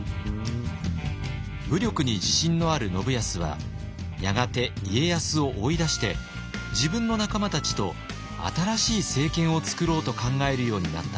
武力に自信のある信康はやがて家康を追い出して自分の仲間たちと新しい政権を作ろうと考えるようになったようです。